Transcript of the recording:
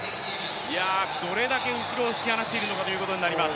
どれだけ後ろを突き放しているのかということになります。